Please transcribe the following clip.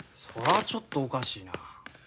そらちょっとおかしいな。